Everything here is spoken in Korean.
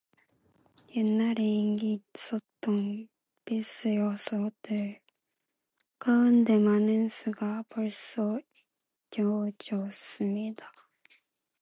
옛날에 인기 있었던 필수요소들 가운데 많은 수가 벌써 잊혀졌습니다.